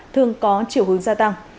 thường có chiều hướng gia tăng